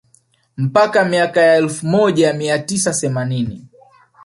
Mpaka miaka ya elfu moja mia tisa themanini